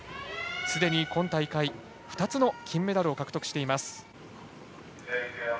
すでに今大会２つの金メダルを獲得しています。